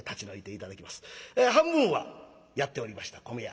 半分はやっておりました米屋。